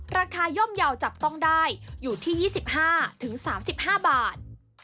ย่อมเยาว์จับต้องได้อยู่ที่๒๕๓๕บาท